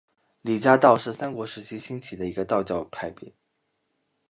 李家道是三国时期兴起的一个道教派别。